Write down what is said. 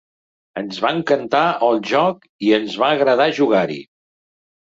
Ens va encantar el joc i ens va agradar jugar-hi.